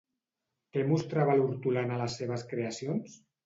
Què mostrava l'hortolana a les seves creacions?